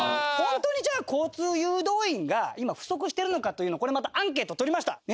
本当にじゃあ交通誘導員が今不足してるのかというのこれまたアンケートを取りました。